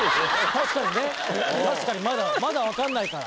確かにまだ分かんないから。